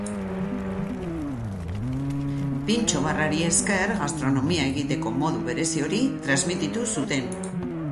Pintxo barrari esker gastronomia egiteko modu berezi hori transmititu zuten.